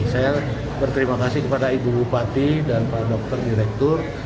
saya berterima kasih kepada ibu bupati dan pak dokter direktur